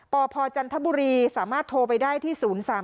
ปพจันทบุรีสามารถโทรไปได้ที่๐๓๓